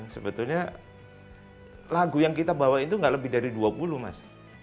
sebetulnya lagu yang kita bawa itu nggak lebih dari dua puluh mas